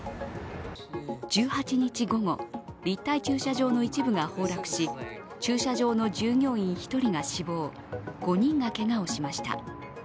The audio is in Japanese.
１８日午後、立体駐車場の一部が崩落し、駐車場の従業員１人が死亡５人がけがをしました。